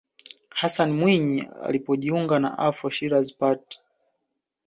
hassan mwinyi alipojiunga na afro shiraz party